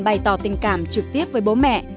bày tỏ tình cảm trực tiếp với bố mẹ